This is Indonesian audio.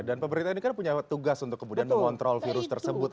dan pemerintah ini kan punya tugas untuk kemudian mengontrol virus tersebut